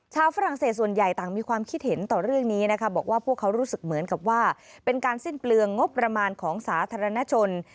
ฝรั่งเศสส่วนใหญ่ต่างมีความคิดเห็นต่อเรื่องนี้นะคะบอกว่าพวกเขารู้สึกเหมือนกับว่าเป็นการสิ้นเปลืองงบประมาณของสาธารณชน